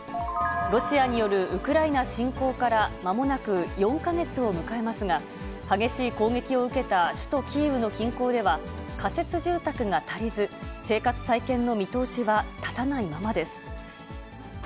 ロシアによるウクライナ侵攻からまもなく４か月を迎えますが、激しい攻撃を受けた首都キーウの近郊では、仮設住宅が足りず、生活再建の見通しは立たないままです。